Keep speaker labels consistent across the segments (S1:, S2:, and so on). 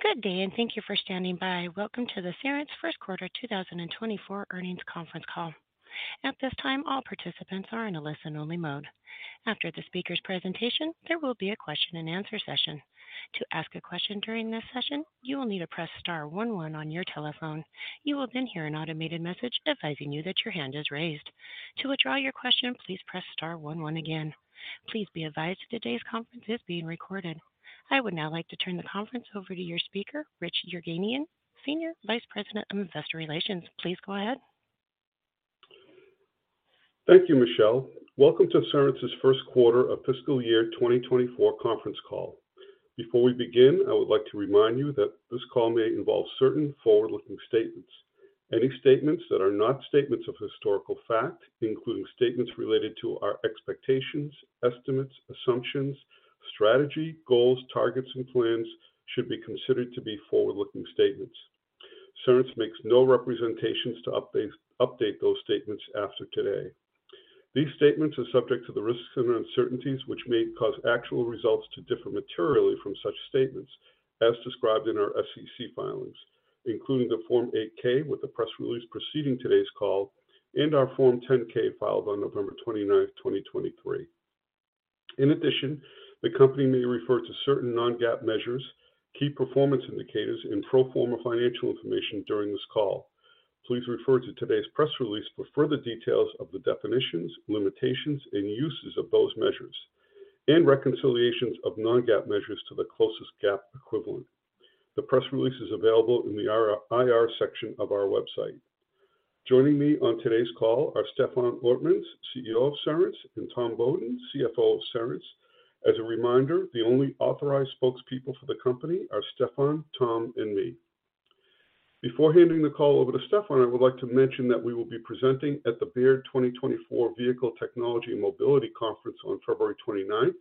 S1: Good day, and thank you for standing by. Welcome to the Cerence First Quarter 2024 Earnings Conference Call. At this time, all participants are in a listen-only mode. After the speaker's presentation, there will be a question-and-answer session. To ask a question during this session, you will need to press star one one on your telephone. You will then hear an automated message advising you that your hand is raised. To withdraw your question, please press star one one again. Please be advised today's conference is being recorded. I would now like to turn the conference over to your speaker, Rich Yergeau, Senior Vice President of Investor Relations. Please go ahead.
S2: Thank you, Michelle. Welcome to Cerence's first quarter of fiscal year 2024 conference call. Before we begin, I would like to remind you that this call may involve certain forward-looking statements. Any statements that are not statements of historical fact, including statements related to our expectations, estimates, assumptions, strategy, goals, targets, and plans, should be considered to be forward-looking statements. Cerence makes no representations to update, update those statements after today. These statements are subject to the risks and uncertainties which may cause actual results to differ materially from such statements as described in our SEC filings, including the Form 8-K with the press release preceding today's call, and our Form 10-K filed on November 29, 2023. In addition, the company may refer to certain non-GAAP measures, key performance indicators, and pro forma financial information during this call. Please refer to today's press release for further details of the definitions, limitations, and uses of those measures, and reconciliations of non-GAAP measures to the closest GAAP equivalent. The press release is available in our IR section of our website. Joining me on today's call are Stefan Ortmanns, CEO of Cerence, and Tom Beaudoin, CFO of Cerence. As a reminder, the only authorized spokespeople for the company are Stefan, Tom, and me. Before handing the call over to Stefan, I would like to mention that we will be presenting at the Baird 2024 Vehicle Technology and Mobility Conference on February 29,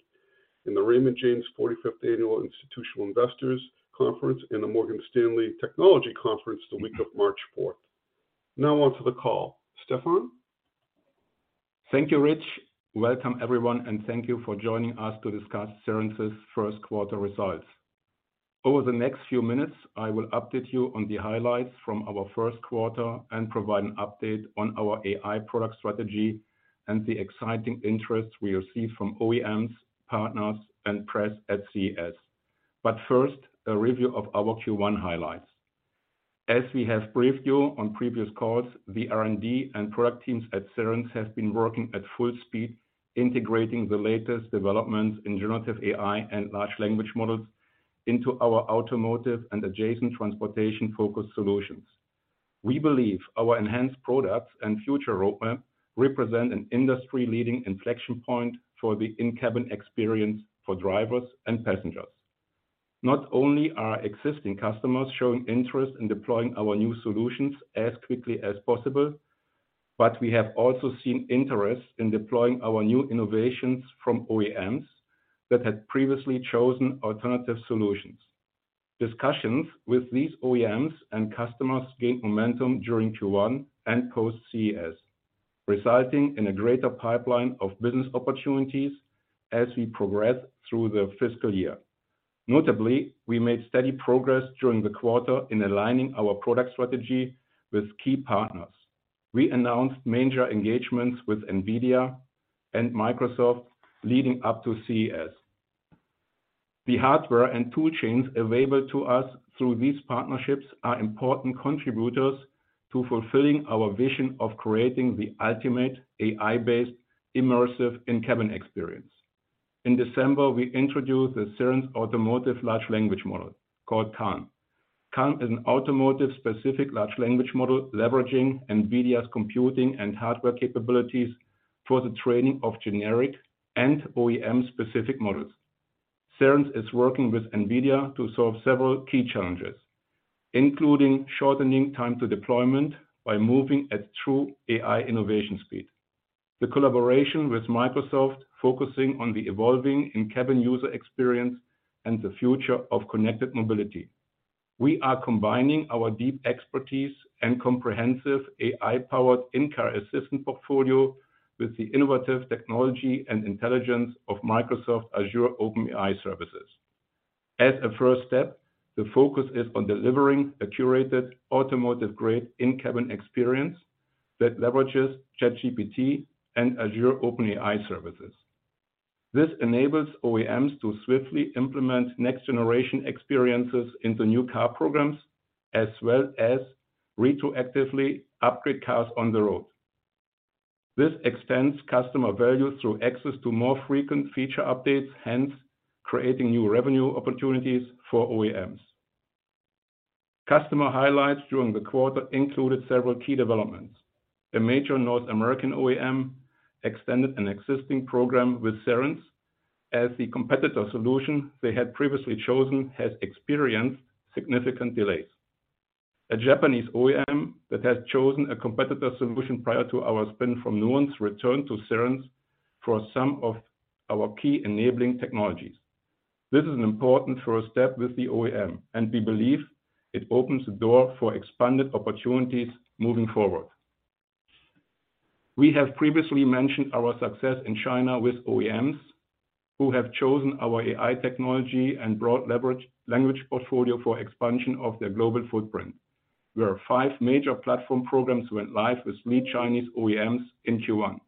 S2: and the Raymond James 45th Annual Institutional Investors Conference, and the Morgan Stanley Technology Conference the week of March 4. Now on to the call. Stefan?
S3: Thank you, Rich. Welcome, everyone, and thank you for joining us to discuss Cerence's first quarter results. Over the next few minutes, I will update you on the highlights from our first quarter and provide an update on our AI product strategy and the exciting interest we received from OEMs, partners, and press at CES. But first, a review of our Q1 highlights. As we have briefed you on previous calls, the R&D and product teams at Cerence have been working at full speed, integrating the latest developments in generative AI and large language models into our automotive and adjacent transportation-focused solutions. We believe our enhanced products and future roadmap represent an industry-leading inflection point for the in-cabin experience for drivers and passengers. Not only are existing customers showing interest in deploying our new solutions as quickly as possible, but we have also seen interest in deploying our new innovations from OEMs that had previously chosen alternative solutions. Discussions with these OEMs and customers gained momentum during Q1 and post-CES, resulting in a greater pipeline of business opportunities as we progress through the fiscal year. Notably, we made steady progress during the quarter in aligning our product strategy with key partners. We announced major engagements with NVIDIA and Microsoft leading up to CES. The hardware and tool chains available to us through these partnerships are important contributors to fulfilling our vision of creating the ultimate AI-based immersive in-cabin experience. In December, we introduced the Cerence Automotive Large Language Model called CaLLM. CaLLM is an automotive-specific large language model leveraging NVIDIA's computing and hardware capabilities for the training of generic and OEM-specific models. Cerence is working with NVIDIA to solve several key challenges, including shortening time to deployment by moving at true AI innovation speed. The collaboration with Microsoft, focusing on the evolving in-cabin user experience and the future of connected mobility. We are combining our deep expertise and comprehensive AI-powered in-car assistant portfolio with the innovative technology and intelligence of Microsoft Azure OpenAI services. As a first step, the focus is on delivering a curated automotive-grade in-cabin experience that leverages ChatGPT and Azure OpenAI services. This enables OEMs to swiftly implement next-generation experiences into new car programs, as well as retroactively upgrade cars on the road. This extends customer value through access to more frequent feature updates, hence, creating new revenue opportunities for OEMs. Customer highlights during the quarter included several key developments. A major North American OEM extended an existing program with Cerence, as the competitor solution they had previously chosen has experienced significant delays. A Japanese OEM that had chosen a competitor solution prior to our spin-off from Nuance returned to Cerence for some of our key enabling technologies. This is an important first step with the OEM, and we believe it opens the door for expanded opportunities moving forward. We have previously mentioned our success in China with OEMs, who have chosen our AI technology and broad multi-language portfolio for expansion of their global footprint, where five major platform programs went live with leading Chinese OEMs in Q1.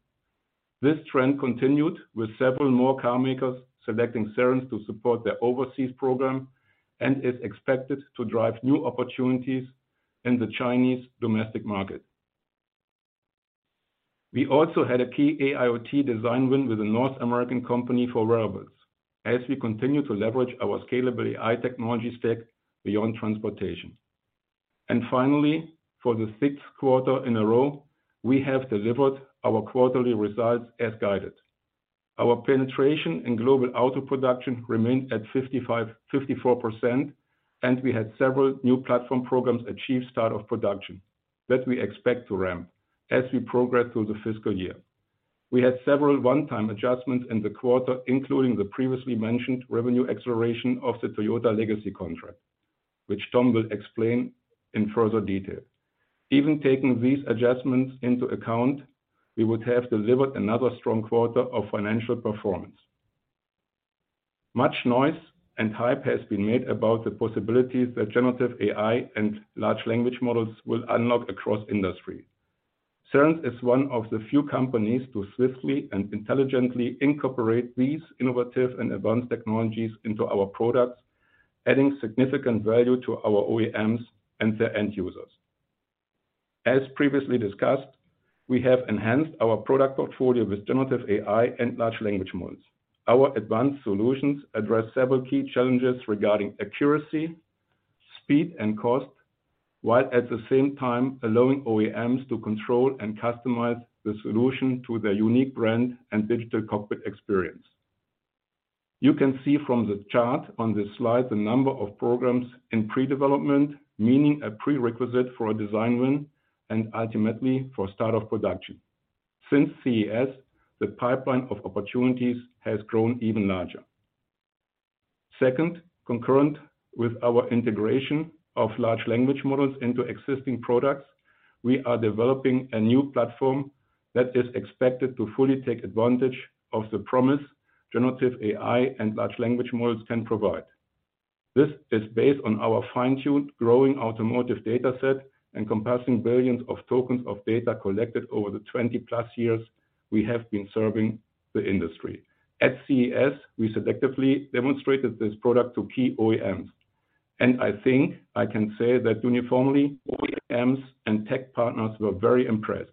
S3: This trend continued with several more car makers selecting Cerence to support their overseas program, and is expected to drive new opportunities in the Chinese domestic market. We also had a key AIoT design win with a North American company for wearables, as we continue to leverage our scalable AI technology stack beyond transportation. Finally, for the sixth quarter in a row, we have delivered our quarterly results as guided. Our penetration in global auto production remained at 55%-54%, and we had several new platform programs achieve start of production, that we expect to ramp as we progress through the fiscal year. We had several one-time adjustments in the quarter, including the previously mentioned revenue acceleration of the Toyota legacy contract, which Tom will explain in further detail. Even taking these adjustments into account, we would have delivered another strong quarter of financial performance. Much noise and hype has been made about the possibilities that generative AI and large language models will unlock across industry. Cerence is one of the few companies to swiftly and intelligently incorporate these innovative and advanced technologies into our products, adding significant value to our OEMs and their end users. As previously discussed, we have enhanced our product portfolio with generative AI and large language models. Our advanced solutions address several key challenges regarding accuracy, speed, and cost, while at the same time allowing OEMs to control and customize the solution to their unique brand and Digital Cockpit experience. You can see from the chart on this slide, the number of programs in pre-development, meaning a prerequisite for a design win, and ultimately, for start of production. Since CES, the pipeline of opportunities has grown even larger. Second, concurrent with our integration of large language models into existing products, we are developing a new platform that is expected to fully take advantage of the promise generative AI and large language models can provide. This is based on our fine-tuned, growing automotive dataset, and compressing billions of tokens of data collected over the 20+ years we have been serving the industry. At CES, we selectively demonstrated this product to key OEMs, and I think I can say that uniformly, OEMs and tech partners were very impressed.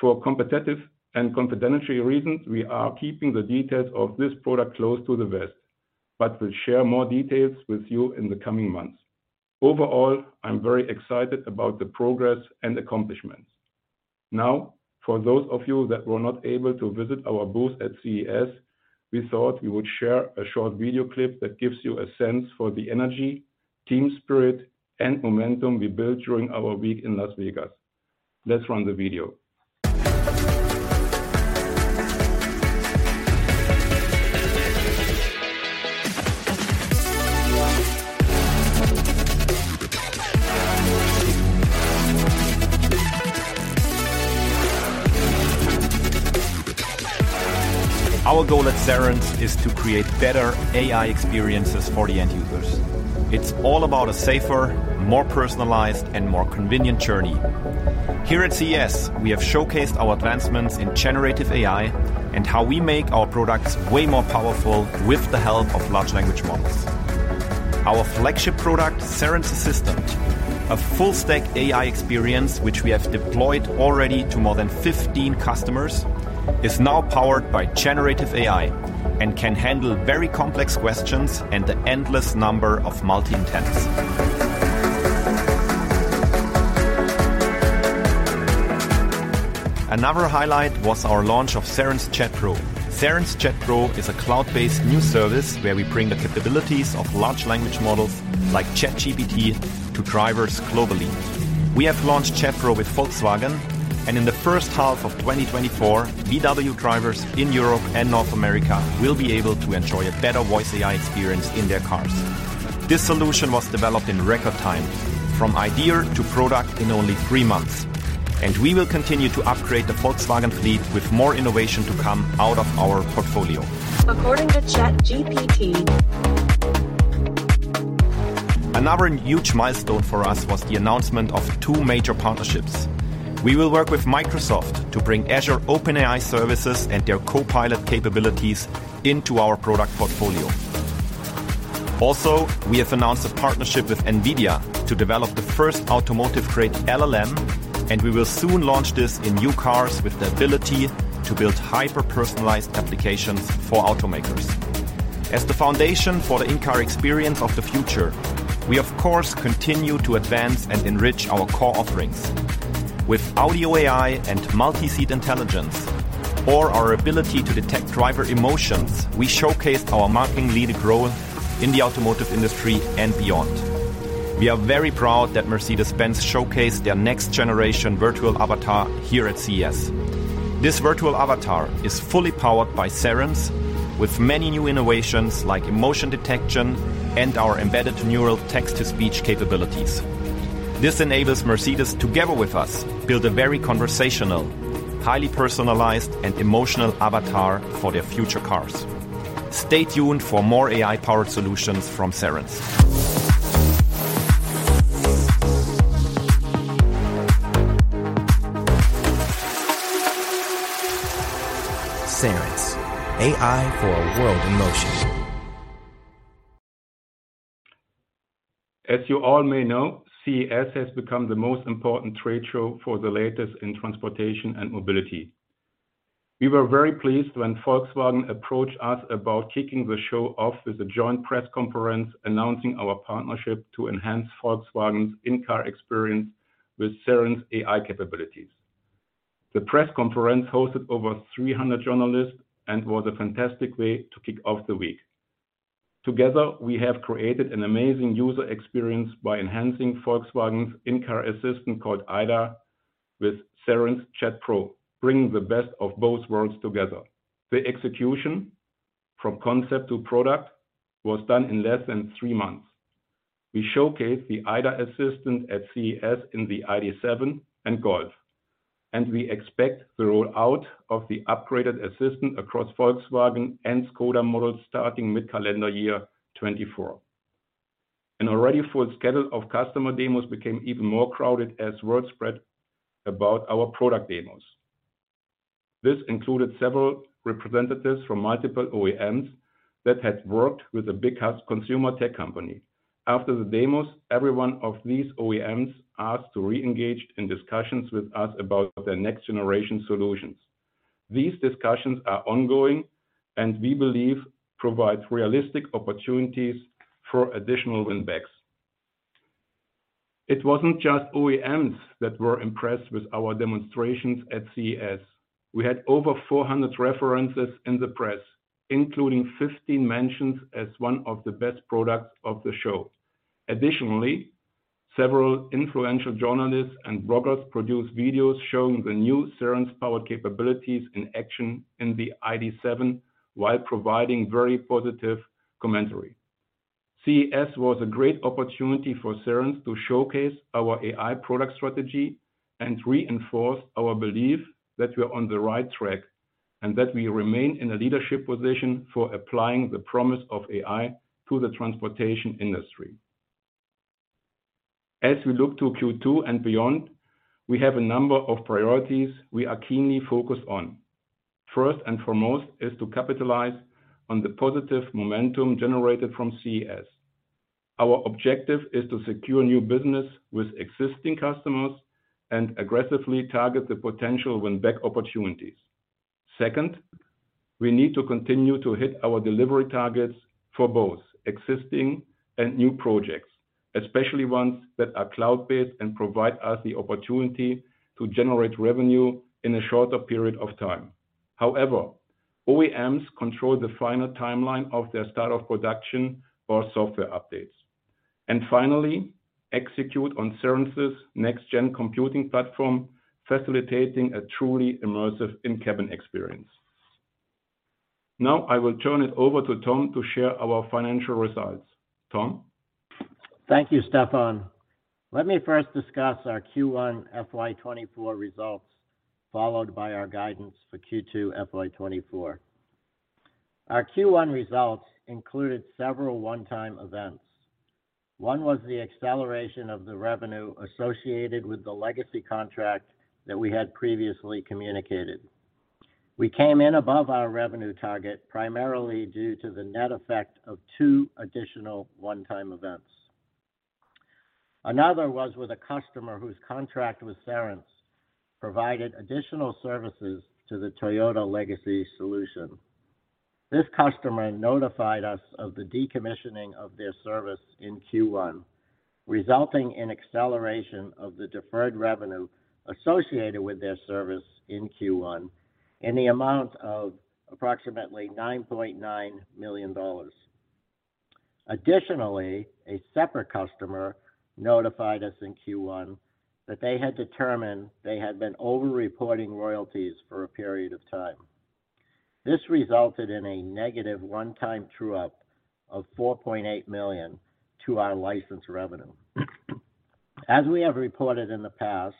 S3: For competitive and confidentiality reasons, we are keeping the details of this product close to the vest, but will share more details with you in the coming months. Overall, I'm very excited about the progress and accomplishments. Now, for those of you that were not able to visit our booth at CES, we thought we would share a short video clip that gives you a sense for the energy, team spirit, and momentum we built during our week in Las Vegas. Let's run the video.
S4: Our goal at Cerence is to create better AI experiences for the end users. It's all about a safer, more personalized, and more convenient journey. Here at CES, we have showcased our advancements in generative AI, and how we make our products way more powerful with the help of large language models. Our flagship product, Cerence Assistant, a full-stack AI experience, which we have deployed already to more than 15 customers, is now powered by generative AI, and can handle very complex questions and the endless number of multi-intents. Another highlight was our launch of Cerence Chat Pro. Cerence Chat Pro is a cloud-based new service where we bring the capabilities of large language models, like ChatGPT, to drivers globally. We have launched Chat Pro with Volkswagen, and in the first half of 2024, VW drivers in Europe and North America will be able to enjoy a better voice AI experience in their cars. This solution was developed in record time: from idea to product in only three months, and we will continue to upgrade the Volkswagen fleet with more innovation to come out of our portfolio. According to ChatGPT... Another huge milestone for us was the announcement of two major partnerships. We will work with Microsoft to bring Azure OpenAI services and their Copilot capabilities into our product portfolio. Also, we have announced a partnership with NVIDIA to develop the first automotive-grade LLM, and we will soon launch this in new cars with the ability to build hyper-personalized applications for automakers. As the foundation for the in-car experience of the future, we, of course, continue to advance and enrich our core offerings. With audio AI and multi-seat intelligence, or our ability to detect driver emotions, we showcased our market-leading role in the automotive industry and beyond. We are very proud that Mercedes-Benz showcased their next-generation virtual avatar here at CES. This virtual avatar is fully powered by Cerence, with many new innovations like emotion detection and our embedded Neural Text-to-Speech capabilities. This enables Mercedes, together with us, build a very conversational, highly personalized, and emotional avatar for their future cars. Stay tuned for more AI-powered solutions from Cerence. Cerence, AI for a world in motion.
S3: As you all may know, CES has become the most important trade show for the latest in transportation and mobility. We were very pleased when Volkswagen approached us about kicking the show off with a joint press conference, announcing our partnership to enhance Volkswagen's in-car experience with Cerence AI capabilities. The press conference hosted over 300 journalists and was a fantastic way to kick off the week. Together, we have created an amazing user experience by enhancing Volkswagen's in-car assistant, called IDA, with Cerence Chat Pro, bringing the best of both worlds together. The execution from concept to product was done in less than three months. We showcased the IDA assistant at CES in the ID.7 and Golf, and we expect the rollout of the upgraded assistant across Volkswagen and Škoda models starting mid-calendar year 2024. An already full schedule of customer demos became even more crowded as word spread about our product demos. This included several representatives from multiple OEMs that had worked with a big consumer tech company. After the demos, every one of these OEMs asked to re-engage in discussions with us about their next-generation solutions. These discussions are ongoing, and we believe provide realistic opportunities for additional win-backs. It wasn't just OEMs that were impressed with our demonstrations at CES. We had over 400 references in the press, including 15 mentions as one of the best products of the show. Additionally, several influential journalists and bloggers produced videos showing the new Cerence-powered capabilities in action in the ID.7, while providing very positive commentary. CES was a great opportunity for Cerence to showcase our AI product strategy and reinforce our belief that we are on the right track, and that we remain in a leadership position for applying the promise of AI to the transportation industry. As we look to Q2 and beyond, we have a number of priorities we are keenly focused on. First and foremost, is to capitalize on the positive momentum generated from CES. Our objective is to secure new business with existing customers and aggressively target the potential win-back opportunities. Second, we need to continue to hit our delivery targets for both existing and new projects, especially ones that are cloud-based and provide us the opportunity to generate revenue in a shorter period of time. However, OEMs control the final timeline of their start of production or software updates. And finally, execute on Cerence's next-gen computing platform, facilitating a truly immersive in-cabin experience. Now, I will turn it over to Tom to share our financial results. Tom?
S5: Thank you, Stefan. Let me first discuss our Q1 FY 2024 results, followed by our guidance for Q2 FY 2024. Our Q1 results included several one-time events. One was the acceleration of the revenue associated with the legacy contract that we had previously communicated. We came in above our revenue target, primarily due to the net effect of two additional one-time events. Another was with a customer whose contract with Cerence provided additional services to the Toyota legacy solution. This customer notified us of the decommissioning of their service in Q1, resulting in acceleration of the deferred revenue associated with their service in Q1, in the amount of approximately $9.9 million. Additionally, a separate customer notified us in Q1 that they had determined they had been over-reporting royalties for a period of time. This resulted in a negative one-time true-up of $4.8 million to our license revenue. As we have reported in the past,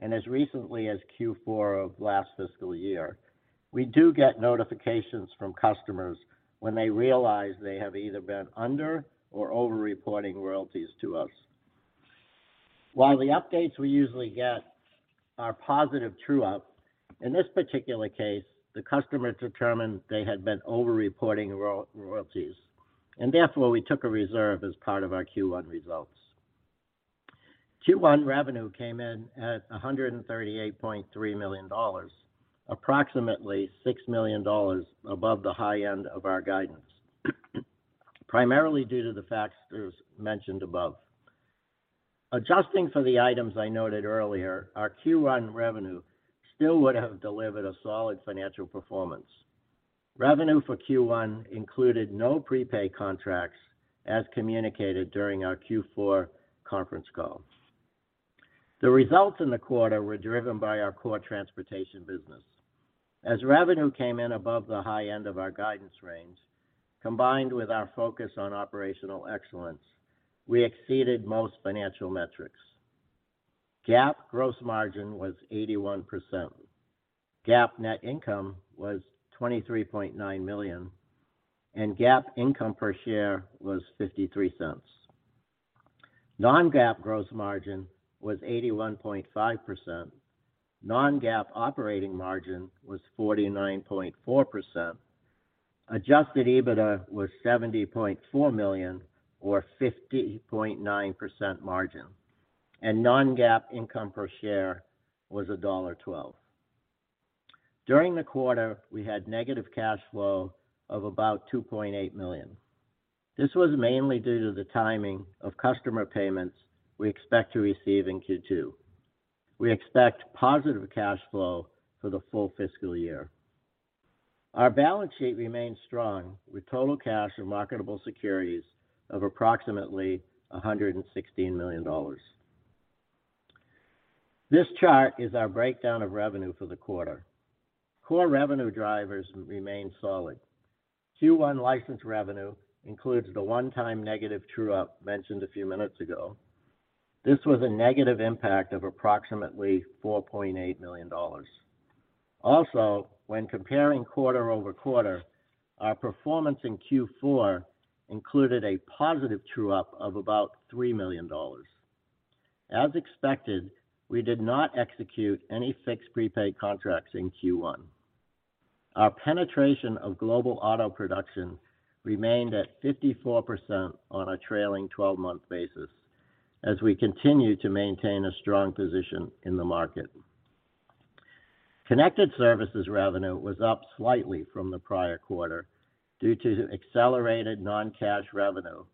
S5: and as recently as Q4 of last fiscal year, we do get notifications from customers when they realize they have either been under or over-reporting royalties to us. While the updates we usually get are positive true-up, in this particular case, the customer determined they had been over-reporting royalties, and therefore, we took a reserve as part of our Q1 results. Q1 revenue came in at $138.3 million, approximately $6 million above the high end of our guidance, primarily due to the factors mentioned above. Adjusting for the items I noted earlier, our Q1 revenue still would have delivered a solid financial performance.... Revenue for Q1 included no prepaid contracts, as communicated during our Q4 conference call. The results in the quarter were driven by our core transportation business. As revenue came in above the high end of our guidance range, combined with our focus on operational excellence, we exceeded most financial metrics. GAAP gross margin was 81%. GAAP net income was $23.9 million, and GAAP income per share was $0.53. Non-GAAP gross margin was 81.5%. Non-GAAP operating margin was 49.4%. Adjusted EBITDA was $70.4 million or 50.9% margin, and non-GAAP income per share was $1.12. During the quarter, we had negative cash flow of about $2.8 million. This was mainly due to the timing of customer payments we expect to receive in Q2. We expect positive cash flow for the full fiscal year. Our balance sheet remains strong, with total cash and marketable securities of approximately $116 million. This chart is our breakdown of revenue for the quarter. Core revenue drivers remain solid. Q1 license revenue includes the one-time negative true-up mentioned a few minutes ago. This was a negative impact of approximately $4.8 million. Also, when comparing quarter-over-quarter, our performance in Q4 included a positive true-up of about $3 million. As expected, we did not execute any fixed prepaid contracts in Q1. Our penetration of global auto production remained at 54% on a trailing 12-month basis as we continue to maintain a strong position in the market. Connected services revenue was up slightly from the prior quarter due to accelerated non-cash revenue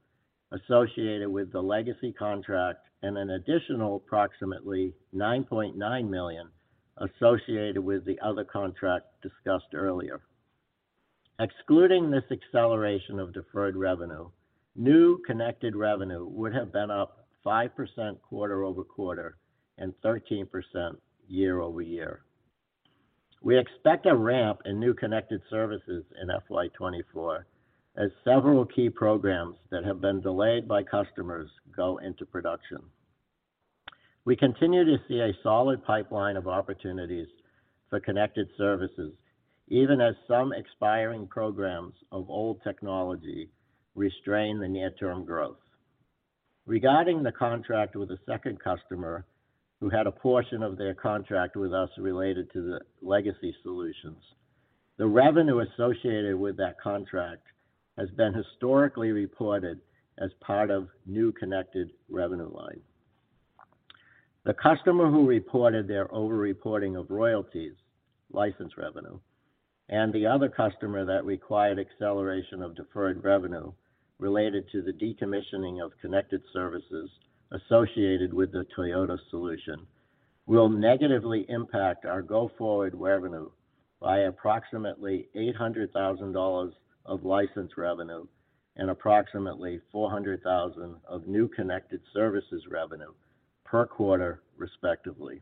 S5: associated with the legacy contract and an additional approximately $9.9 million associated with the other contract discussed earlier. Excluding this acceleration of deferred revenue, new connected revenue would have been up 5% quarter-over-quarter and 13% year-over-year. We expect a ramp in new connected services in FY 2024, as several key programs that have been delayed by customers go into production. We continue to see a solid pipeline of opportunities for connected services, even as some expiring programs of old technology restrain the near-term growth. Regarding the contract with a second customer who had a portion of their contract with us related to the legacy solutions, the revenue associated with that contract has been historically reported as part of new connected revenue line. The customer who reported their over-reporting of royalties, license revenue, and the other customer that required acceleration of deferred revenue related to the decommissioning of connected services associated with the Toyota solution, will negatively impact our go-forward revenue by approximately $800,000 of license revenue and approximately $400,000 of new connected services revenue per quarter, respectively.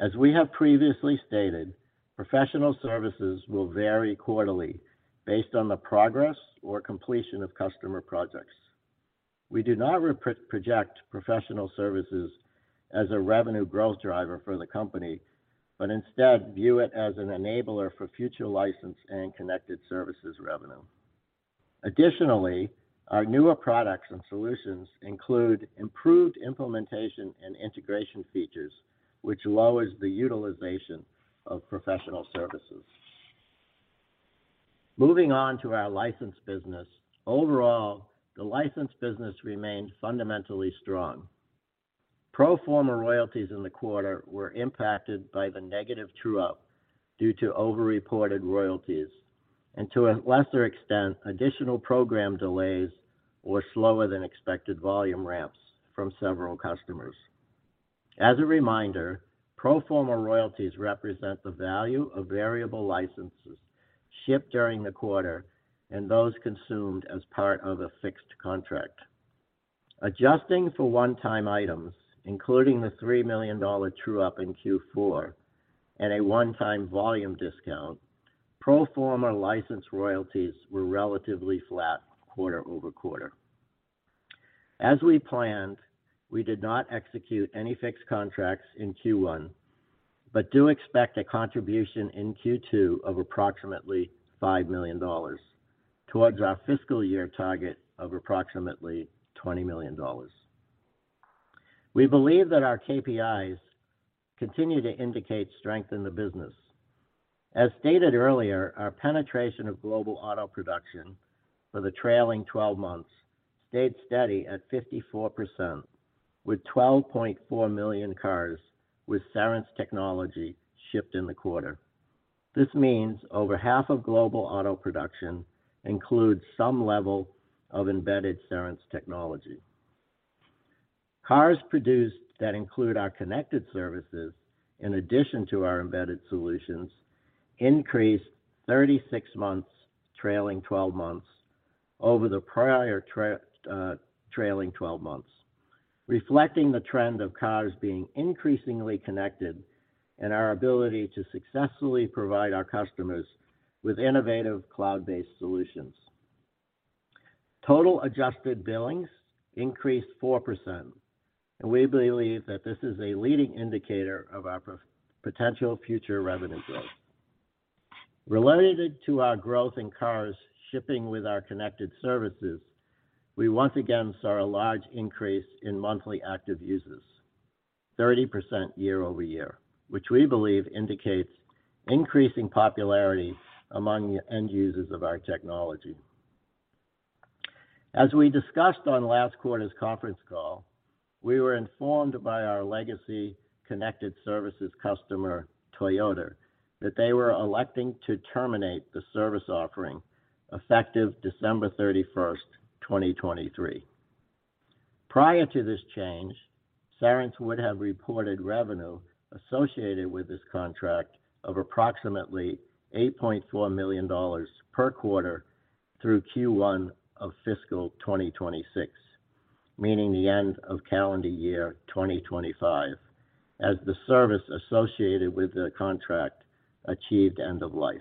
S5: As we have previously stated, professional services will vary quarterly based on the progress or completion of customer projects. We do not project professional services as a revenue growth driver for the company, but instead view it as an enabler for future license and connected services revenue. Additionally, our newer products and solutions include improved implementation and integration features, which lowers the utilization of professional services. Moving on to our license business. Overall, the license business remains fundamentally strong. Pro forma royalties in the quarter were impacted by the negative true-up due to over-reported royalties, and to a lesser extent, additional program delays or slower than expected volume ramps from several customers. As a reminder, pro forma royalties represent the value of variable licenses shipped during the quarter and those consumed as part of a fixed contract. Adjusting for one-time items, including the $3 million true-up in Q4 and a one-time volume discount, pro forma license royalties were relatively flat quarter over quarter. As we planned, we did not execute any fixed contracts in Q1, but do expect a contribution in Q2 of approximately $5 million towards our fiscal year target of approximately $20 million. We believe that our KPIs continue to indicate strength in the business. As stated earlier, our penetration of global auto production for the trailing 12 months stayed steady at 54%, with 12.4 million cars with Cerence technology shipped in the quarter. This means over half of global auto production includes some level of embedded Cerence technology. Cars produced that include our connected services, in addition to our embedded solutions, increased 36 months, trailing 12 months over the prior trailing 12 months, reflecting the trend of cars being increasingly connected and our ability to successfully provide our customers with innovative cloud-based solutions. Total adjusted billings increased 4%, and we believe that this is a leading indicator of our potential future revenue growth. Related to our growth in cars shipping with our connected services, we once again saw a large increase in monthly active users, 30% year-over-year, which we believe indicates increasing popularity among the end users of our technology. As we discussed on last quarter's conference call, we were informed by our legacy connected services customer, Toyota, that they were electing to terminate the service offering effective December 31st, 2023. Prior to this change, Cerence would have reported revenue associated with this contract of approximately $8.4 million per quarter through Q1 of fiscal 2026, meaning the end of calendar year 2025, as the service associated with the contract achieved end of life.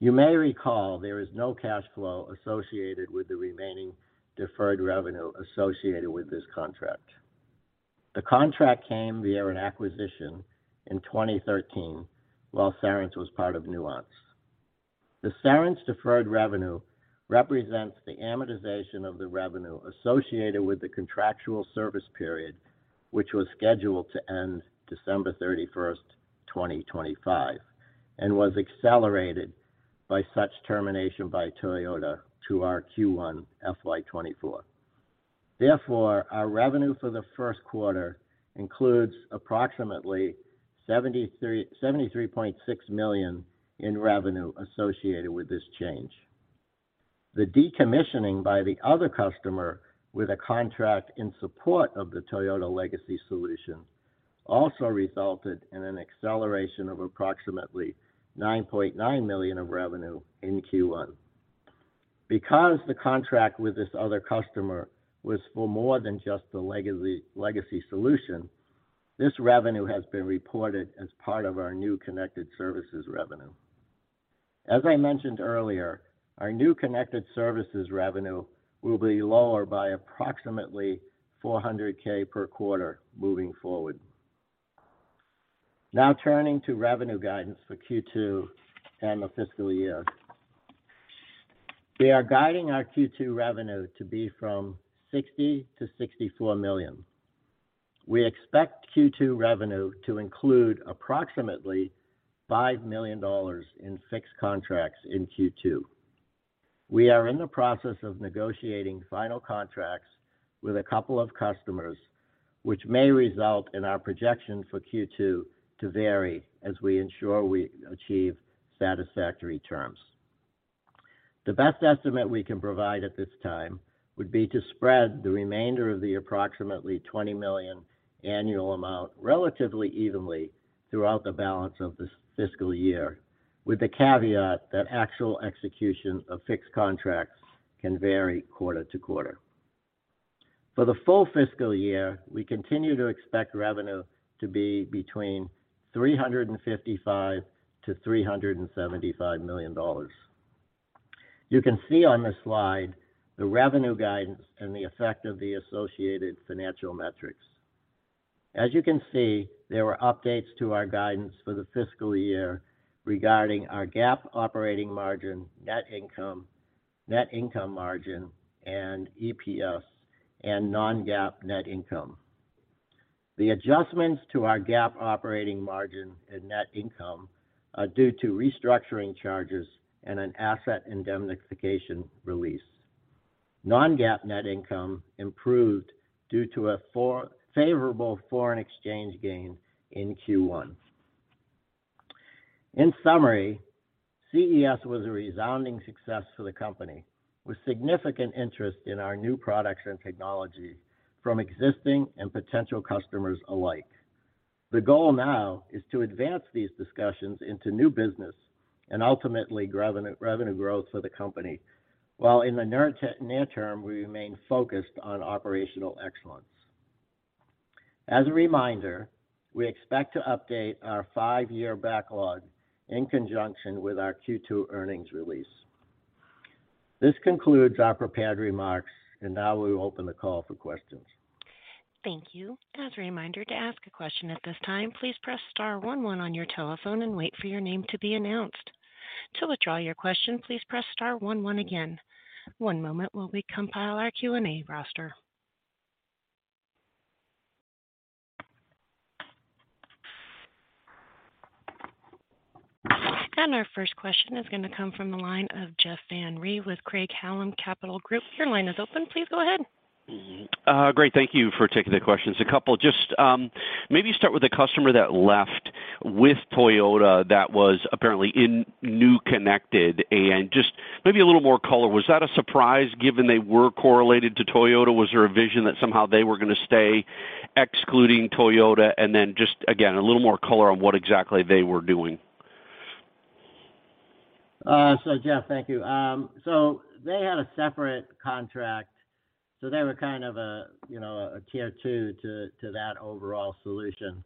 S5: You may recall there is no cash flow associated with the remaining deferred revenue associated with this contract. The contract came via an acquisition in 2013, while Cerence was part of Nuance. The Cerence deferred revenue represents the amortization of the revenue associated with the contractual service period, which was scheduled to end December 31st, 2025, and was accelerated by such termination by Toyota to our Q1 FY 2024. Therefore, our revenue for the first quarter includes approximately $73.6 million in revenue associated with this change. The decommissioning by the other customer with a contract in support of the Toyota legacy solution also resulted in an acceleration of approximately $9.9 million of revenue in Q1. Because the contract with this other customer was for more than just the legacy, legacy solution, this revenue has been reported as part of our new connected services revenue. As I mentioned earlier, our new connected services revenue will be lower by approximately $400,000 per quarter moving forward. Now, turning to revenue guidance for Q2 and the fiscal year. We are guiding our Q2 revenue to be from $60 million-$64 million. We expect Q2 revenue to include approximately $5 million in fixed contracts in Q2. We are in the process of negotiating final contracts with a couple of customers, which may result in our projection for Q2 to vary as we ensure we achieve satisfactory terms. The best estimate we can provide at this time would be to spread the remainder of the approximately $20 million annual amount relatively evenly throughout the balance of this fiscal year, with the caveat that actual execution of fixed contracts can vary quarter to quarter. For the full fiscal year, we continue to expect revenue to be between $355 million-$375 million. You can see on this slide the revenue guidance and the effect of the associated financial metrics. As you can see, there were updates to our guidance for the fiscal year regarding our GAAP operating margin, net income, net income margin and EPS and non-GAAP net income. The adjustments to our GAAP operating margin and net income are due to restructuring charges and an asset indemnification release. Non-GAAP net income improved due to a favorable foreign exchange gain in Q1. In summary, CES was a resounding success for the company, with significant interest in our new products and technology from existing and potential customers alike. The goal now is to advance these discussions into new business and ultimately revenue, revenue growth for the company, while in the near term, we remain focused on operational excellence. As a reminder, we expect to update our five-year backlog in conjunction with our Q2 earnings release. This concludes our prepared remarks and now we will open the call for questions.
S1: Thank you. As a reminder, to ask a question at this time, please press star one one on your telephone and wait for your name to be announced. To withdraw your question, please press star one one again. One moment while we compile our Q&A roster. Our first question is going to come from the line of Jeff Van Rhee with Craig-Hallum Capital Group. Your line is open. Please go ahead.
S6: Great. Thank you for taking the questions. A couple, just, maybe start with the customer that left with Toyota that was apparently in Nuance connected and just maybe a little more color. Was that a surprise given they were correlated to Toyota? Was there a vision that somehow they were going to stay?... excluding Toyota, and then just, again, a little more color on what exactly they were doing.
S5: So Jeff, thank you. So they had a separate contract, so they were kind of a, you know, a tier two to that overall solution.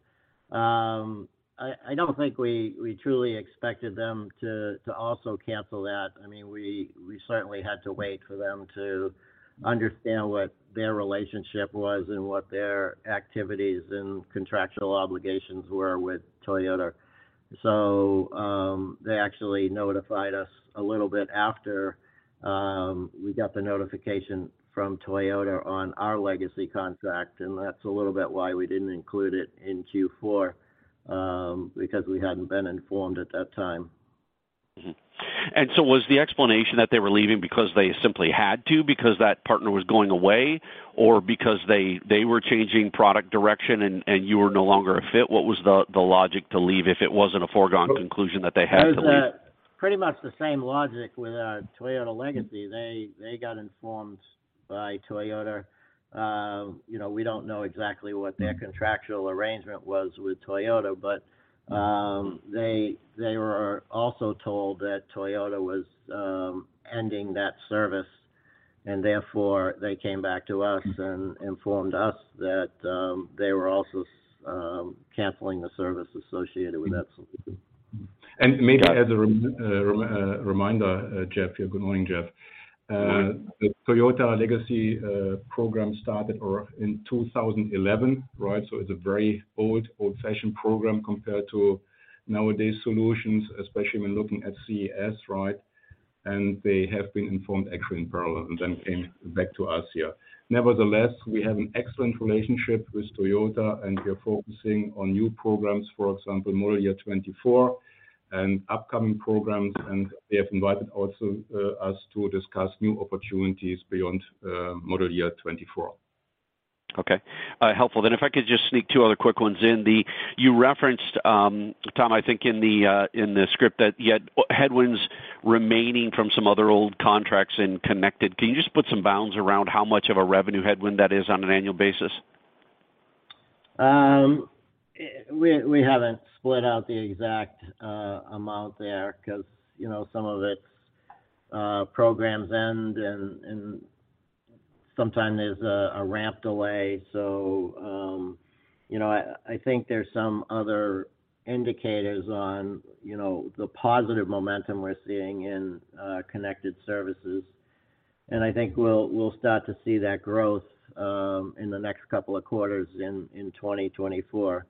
S5: I don't think we truly expected them to also cancel that. I mean, we certainly had to wait for them to understand what their relationship was and what their activities and contractual obligations were with Toyota. So, they actually notified us a little bit after we got the notification from Toyota on our legacy contract, and that's a little bit why we didn't include it in Q4, because we hadn't been informed at that time.
S6: Mm-hmm. And so was the explanation that they were leaving because they simply had to, because that partner was going away, or because they, they were changing product direction and, and you were no longer a fit? What was the, the logic to leave if it wasn't a foregone conclusion that they had to leave?
S5: It was pretty much the same logic with Toyota legacy. They got informed by Toyota. You know, we don't know exactly what their contractual arrangement was with Toyota, but they were also told that Toyota was ending that service, and therefore, they came back to us and informed us that they were also canceling the service associated with that solution.
S3: Maybe as a reminder, Jeff here. Good morning, Jeff.
S6: Good morning.
S3: The Toyota legacy program started or in 2011, right? So it's a very old, old-fashioned program compared to nowadays solutions, especially when looking at CES, right, and they have been informed actually in parallel and then came back to us here. Nevertheless, we have an excellent relationship with Toyota, and we are focusing on new programs, for example, model year 2024 and upcoming programs, and they have invited also us to discuss new opportunities beyond model year 2024.
S6: Okay. Helpful. Then if I could just sneak two other quick ones in. You referenced, Tom, I think in the script, that you had headwinds remaining from some other old contracts in Connected. Can you just put some bounds around how much of a revenue headwind that is on an annual basis?
S5: We haven't split out the exact amount there, 'cause, you know, some of it programs end, and sometimes there's a ramp delay. So, you know, I think there's some other indicators on, you know, the positive momentum we're seeing in connected services, and I think we'll start to see that growth in the next couple of quarters in 2024.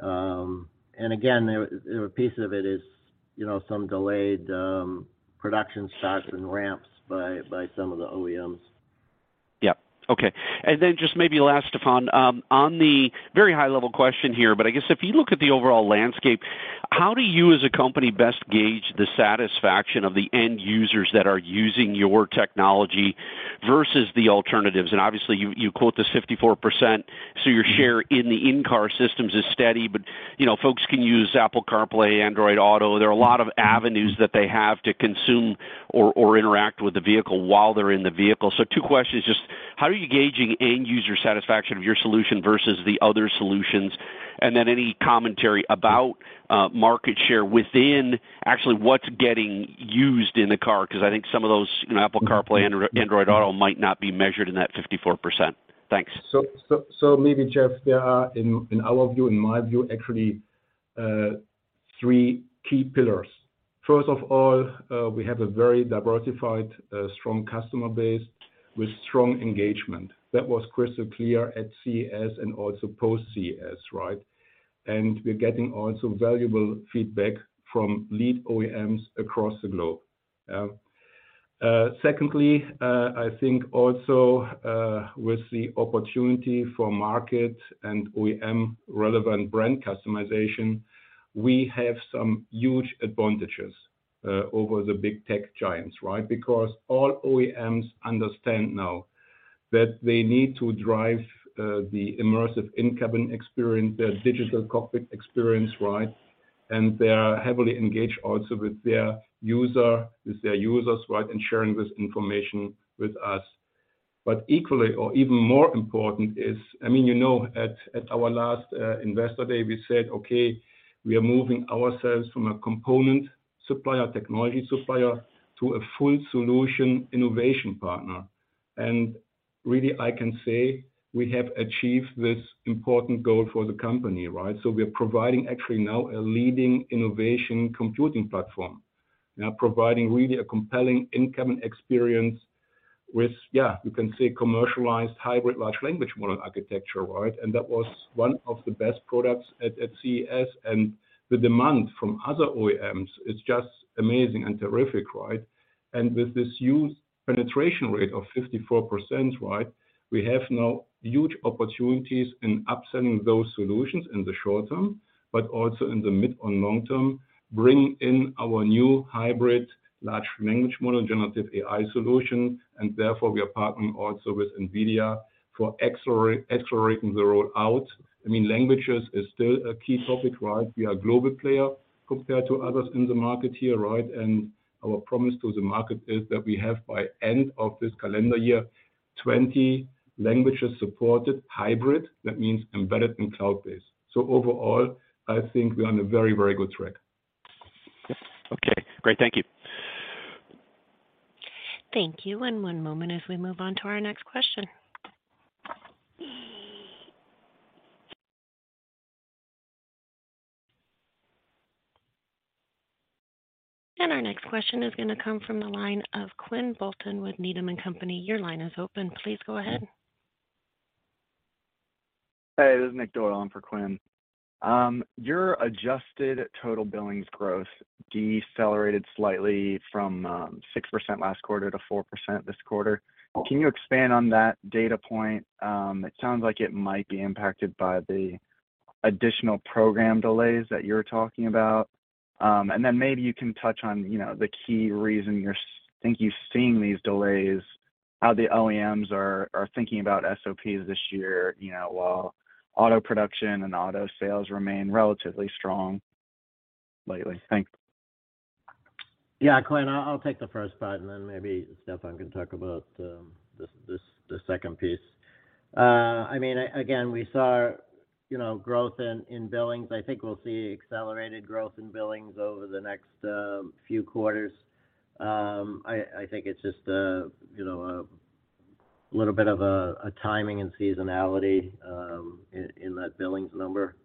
S5: And again, there a piece of it is, you know, some delayed production starts and ramps by some of the OEMs.
S6: Yeah. Okay. And then just maybe last, Stefan, on the very high level question here, but I guess if you look at the overall landscape, how do you as a company, best gauge the satisfaction of the end users that are using your technology versus the alternatives? And obviously, you, you quote this 54%, so your share in the in-car systems is steady, but, you know, folks can use Apple CarPlay, Android Auto. There are a lot of avenues that they have to consume or, or interact with the vehicle while they're in the vehicle. So two questions, just how are you gauging end user satisfaction of your solution versus the other solutions? Then any commentary about market share within actually what's getting used in the car, because I think some of those, you know, Apple CarPlay, Android Auto might not be measured in that 54%. Thanks.
S3: So maybe, Jeff, there are, in our view, in my view, actually, three key pillars. First of all, we have a very diversified, strong customer base with strong engagement. That was crystal clear at CES and also post-CES, right? And we're getting also valuable feedback from lead OEMs across the globe. Secondly, I think also, with the opportunity for market and OEM-relevant brand customization, we have some huge advantages, over the big tech giants, right? Because all OEMs understand now that they need to drive, the immersive in-cabin experience, the Digital Cockpit experience, right? And they are heavily engaged also with their users, right, and sharing this information with us. But equally or even more important is—I mean, you know, at our last Investor Day, we said, "Okay, we are moving ourselves from a component supplier, technology supplier, to a full solution innovation partner." And really, I can say we have achieved this important goal for the company, right? So we are providing actually now a leading innovation computing platform. We are providing really a compelling in-cabin experience with, yeah, you can say commercialized hybrid large language model architecture, right? And that was one of the best products at CES, and the demand from other OEMs is just amazing and terrific, right? With this huge penetration rate of 54%, right, we have now huge opportunities in upselling those solutions in the short term, but also in the mid and long term, bring in our new hybrid large language model, generative AI solution, and therefore we are partnering also with NVIDIA for accelerating the rollout. I mean, languages is still a key topic, right? We are a global player compared to others in the market here, right? And our promise to the market is that we have, by end of this calendar year, 20 languages supported, hybrid, that means embedded and cloud-based. So overall, I think we are on a very, very good track. Okay, great. Thank you.
S1: Thank you. One moment as we move on to our next question. Our next question is going to come from the line of Quinn Bolton with Needham & Company. Your line is open. Please go ahead.
S7: Hey, this is Nick Doyle in for Quinn. Your adjusted total billings growth decelerated slightly from 6% last quarter to 4% this quarter.
S3: Oh.
S7: Can you expand on that data point? It sounds like it might be impacted by the additional program delays that you're talking about. And then maybe you can touch on, you know, the key reason you think you're seeing these delays, how the OEMs are thinking about SOPs this year, you know, while auto production and auto sales remain relatively strong lately. Thanks.
S3: Yeah, Quinn, I, I'll take the first part, and then maybe Stefan can talk about this, the second piece. I mean, again, we saw, you know, growth in billings. I think we'll see accelerated growth in billings over the next few quarters. I think it's just, you know, a little bit of a timing and seasonality in that billings number.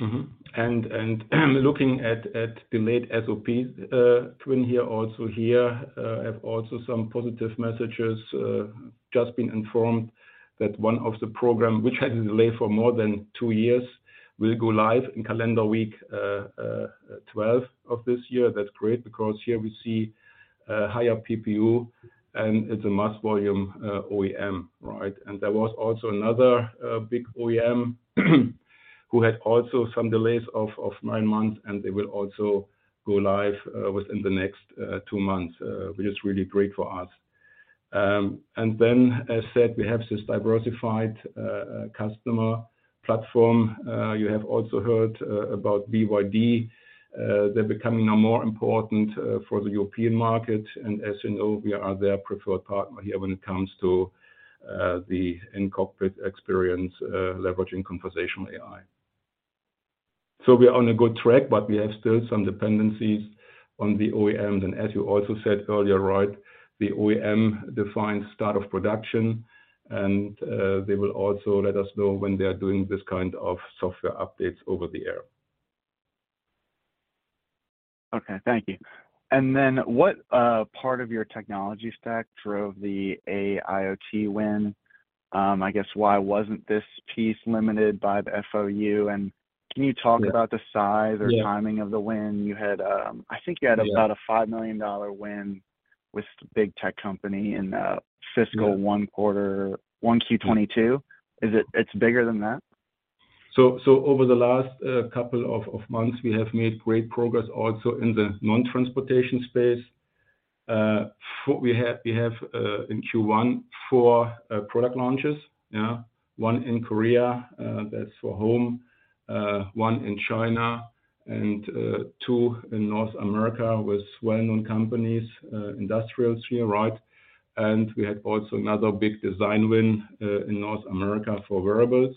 S3: Mm-hmm. And looking at delayed SOPs, Quinn, here also, I have also some positive messages. Just been informed that one of the program, which had a delay for more than 2 years, will go live in calendar week 12 of this year. That's great because here we see higher PPU, and it's a mass volume OEM, right? There was also another big OEM who had also some delays of nine months, and they will also go live within the next 2 months, which is really great for us. Then, as said, we have this diversified customer platform. You have also heard about BYD. They're becoming now more important for the European market, and as you know, we are their preferred partner here when it comes to the in-car experience leveraging conversational AI. So we are on a good track, but we have still some dependencies on the OEMs. And as you also said earlier, right, the OEM defines start of production, and they will also let us know when they are doing this kind of software updates over the air.
S7: Okay. Thank you. And then, what part of your technology stack drove the AIoT win? I guess, why wasn't this piece limited by the FOU? And can you talk-
S3: Yeah
S7: about the size
S3: Yeah
S7: -or timing of the win? You had, I think you had-
S3: Yeah
S7: -about a $5 million win with a big tech company in,
S3: Yeah
S7: Fiscal 1Q, 1Q22. Is it, it's bigger than that?
S3: So over the last couple of months, we have made great progress also in the non-transportation space. We have in Q1 four product launches. Yeah. One in Korea, that's for home, one in China and two in North America with well-known companies, industrials here, right? And we had also another big design win in North America for wearables.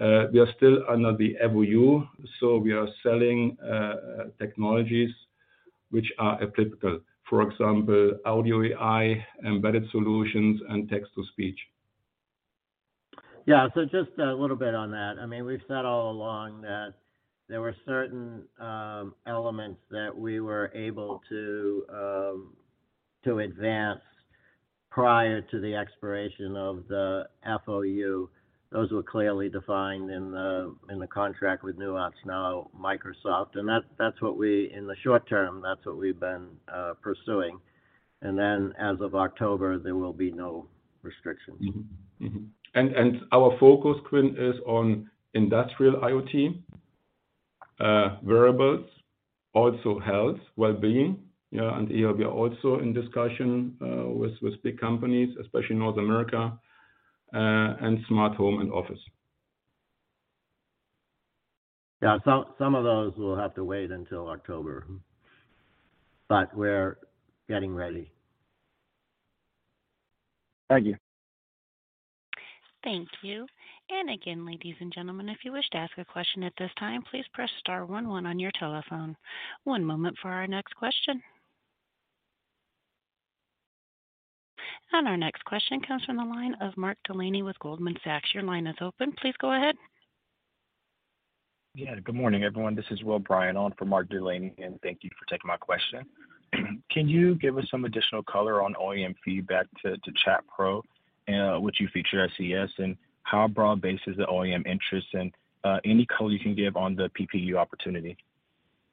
S3: We are still under the FOU, so we are selling technologies which are applicable, for example, audio AI, embedded solutions, and text-to-speech. Yeah. So just a little bit on that. I mean, we've said all along that there were certain elements that we were able to advance prior to the expiration of the FOU. Those were clearly defined in the contract with Nuance, now Microsoft, and that's what we, in the short term, that's what we've been pursuing. And then as of October, there will be no restrictions. Mm-hmm. Mm-hmm. And our focus, Quinn, is on industrial IoT, wearables, also health, well-being, you know, and here we are also in discussion with big companies, especially North America, and smart home and office. Yeah, some of those will have to wait until October, but we're getting ready.
S7: Thank you.
S1: Thank you. Again, ladies and gentlemen, if you wish to ask a question at this time, please press star one one on your telephone. One moment for our next question. Our next question comes from the line of Mark Delaney with Goldman Sachs. Your line is open. Please go ahead.
S8: Yeah. Good morning, everyone. This is Will Stein on for Mark Delaney, and thank you for taking my question. Can you give us some additional color on OEM feedback to ChatPro, which you feature at CES, and how broad-based is the OEM interest, and any color you can give on the PPU opportunity?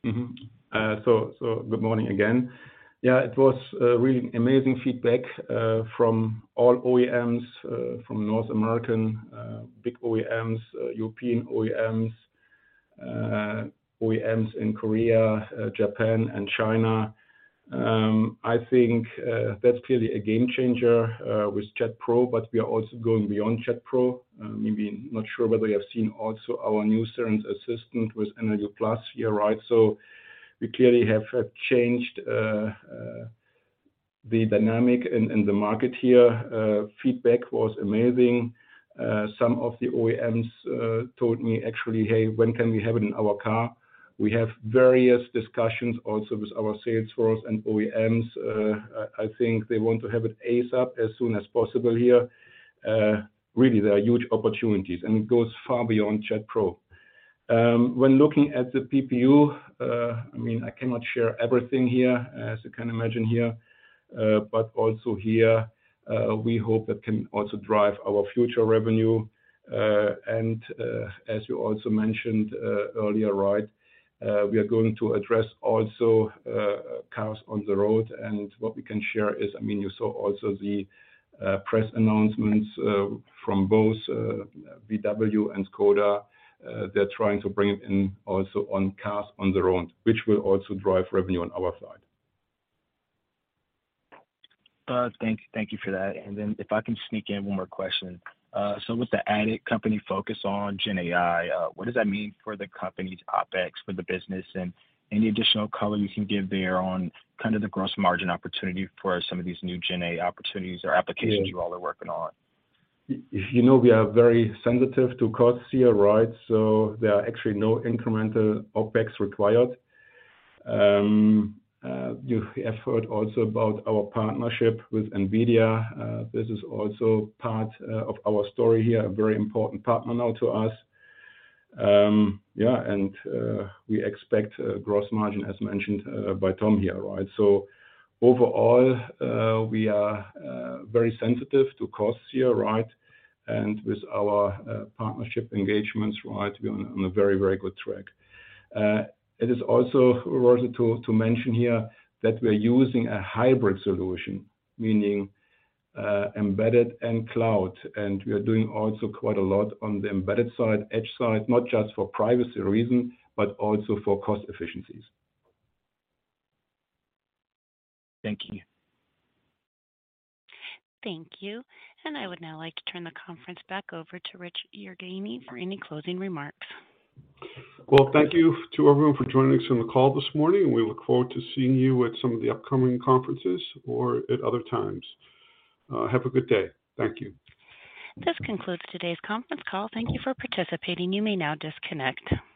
S3: Mm-hmm. So good morning again. Yeah, it was really amazing feedback from all OEMs from North American big OEMs, European OEMs. OEMs in Korea, Japan, and China. I think that's clearly a game changer with Chat Pro, but we are also going beyond Chat Pro. Maybe not sure whether you have seen also our new Cerence Assistant with EnergyPlus here, right? So we clearly have changed the dynamic in the market here. Feedback was amazing. Some of the OEMs told me actually, "Hey, when can we have it in our car?" We have various discussions also with our sales force and OEMs. I think they want to have it ASAP, as soon as possible here. Really, there are huge opportunities, and it goes far beyond Chat Pro. When looking at the PPU, I mean, I cannot share everything here, as you can imagine here, but also here, we hope it can also drive our future revenue. And, as you also mentioned, earlier, right, we are going to address also, cars on the road. And what we can share is, I mean, you saw also the, press announcements, from both, VW and Škoda. They're trying to bring it in also on cars on the road, which will also drive revenue on our side.
S8: Thank you for that. And then if I can sneak in one more question. So with the added company focus on Gen AI, what does that mean for the company's OpEx, for the business? And any additional color you can give there on kind of the gross margin opportunity for some of these new Gen AI opportunities or applications you all are working on?
S3: You know, we are very sensitive to costs here, right? So there are actually no incremental OpEx required. You have heard also about our partnership with NVIDIA. This is also part of our story here, a very important partner now to us. We expect a gross margin, as mentioned, by Tom here, right? So overall, we are very sensitive to costs here, right? And with our partnership engagements, right, we're on a very, very good track. It is also worth it to mention here that we're using a hybrid solution, meaning embedded and cloud, and we are doing also quite a lot on the embedded side, edge side, not just for privacy reasons, but also for cost efficiencies.
S8: Thank you.
S1: Thank you. I would now like to turn the conference back over to Rich Yergeau for any closing remarks.
S2: Well, thank you to everyone for joining us on the call this morning, and we look forward to seeing you at some of the upcoming conferences or at other times. Have a good day. Thank you.
S1: This concludes today's conference call. Thank you for participating. You may now disconnect.